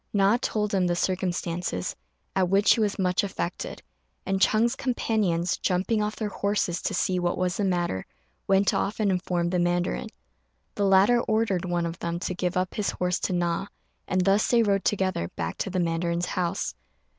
Na told him the circumstances, at which he was much affected; and Ch'êng's companions, jumping off their horses to see what was the matter, went off and informed the mandarin. The latter ordered one of them to give up his horse to Na, and thus they rode together back to the mandarin's house.